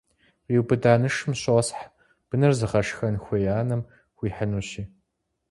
Къиубыда нышым щосхь, быныр зыгъэшхэн хуей анэм хуихьынущи.